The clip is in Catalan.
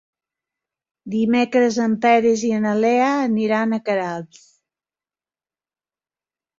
Dimecres en Peris i na Lea aniran a Queralbs.